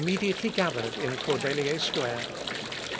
A mob immediately gathered in Cordelier Square.